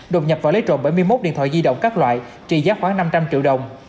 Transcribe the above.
đột nhập và lấy trộm bảy mươi một điện thoại di động các loại trị giá khoảng năm trăm linh triệu đồng